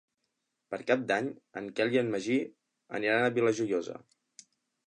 Per Cap d'Any en Quel i en Magí aniran a la Vila Joiosa.